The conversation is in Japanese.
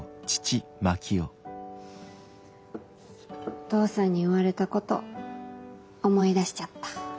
お父さんに言われたこと思い出しちゃった。